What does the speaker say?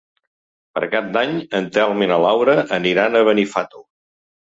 Per Cap d'Any en Telm i na Laura aniran a Benifato.